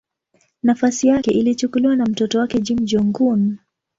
Nafasi yake ilichukuliwa na mtoto wake Kim Jong-un.